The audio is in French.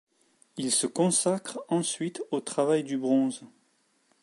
Il se consacre ensuite au travail du bronze.